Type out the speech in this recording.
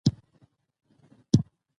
که د محبوبې صفتونه منسوبېږي،